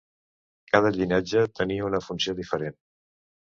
Cada llinatge tenia una funció diferent.